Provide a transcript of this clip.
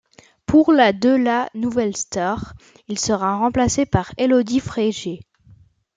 Pour la de la Nouvelle star, il sera remplacé par Elodie Frégé.